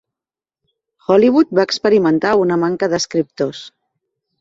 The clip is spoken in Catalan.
Hollywood va experimentar una manca d'escriptors.